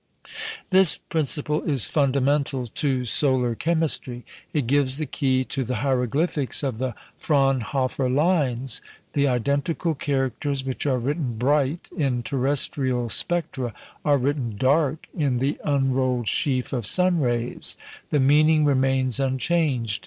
This principle is fundamental to solar chemistry. It gives the key to the hieroglyphics of the Fraunhofer lines. The identical characters which are written bright in terrestrial spectra are written dark in the unrolled sheaf of sun rays; the meaning remains unchanged.